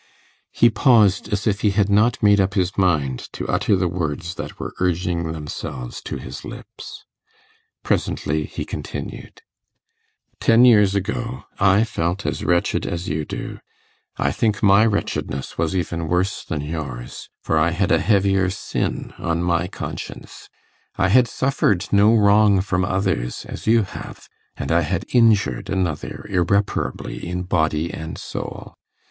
He paused, as if he had not made up his mind to utter the words that were urging themselves to his lips. Presently he continued, 'Ten years ago, I felt as wretched as you do. I think my wretchedness was even worse than yours, for I had a heavier sin on my conscience. I had suffered no wrong from others as you have, and I had injured another irreparably in body and soul.